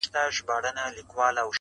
o شعر ماښامی یو څو روپۍ او سګرټ ,